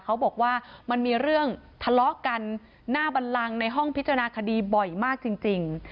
เขาบอกว่ามันมีเรื่องทะเลาะกันหน้าบันลังในห้องพิจารณาคดีบ่อยมากจริง